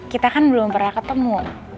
kita kan belum pernah ketemu